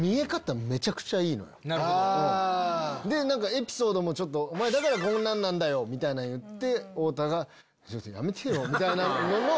エピソードも「おまえだからこんななんだよ」みたいなの言って太田が「やめてよ」みたいな。